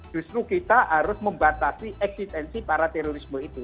justru kita harus membatasi eksistensi para terorisme itu